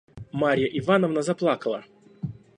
Марья Ивановна заплакала.